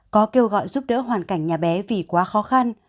có kêu gọi giúp đỡ hoàn cảnh nhà bé vì quá khó khăn